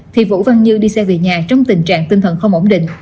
thì vũ văn như đi xe về nhà trong tình trạng tinh thần không ổn định